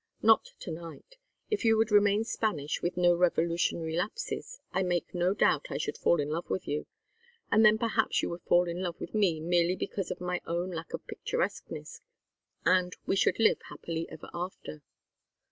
Not to night. If you would remain Spanish with no Revolutionary lapses, I make no doubt I should fall in love with you, and then perhaps you would fall in love with me merely because of my own lack of picturesqueness, and we should live happily ever after."